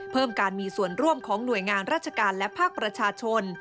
เพิ่มการมีส่วนร่วมของหน่วยงานราชการและภาคประชาชน